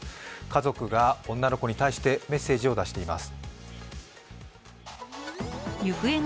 家族が女の子に対してメッセージを出しています。